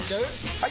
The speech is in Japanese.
・はい！